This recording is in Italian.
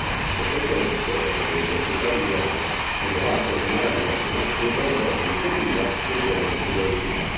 Lo stesso rettore dell'Università di Genova Edoardo Maragliano incoraggiò l'iniziativa dei giovani studenti.